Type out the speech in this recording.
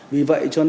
vì vậy cho nên là